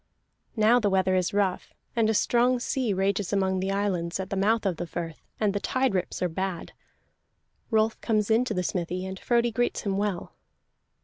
Now the weather is rough, and a strong sea rages among the islands at the mouth of the firth, and the tide rips are bad. Rolf comes into the smithy, and Frodi greets him well.